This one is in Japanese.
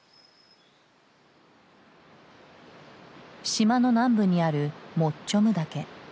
島の南部にあるモッチョム岳。